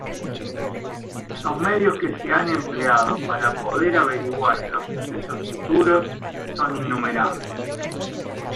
Los medios que se han empleado para poder averiguar los sucesos futuros son innumerables.